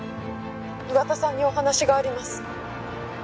岩田さんにお話があります」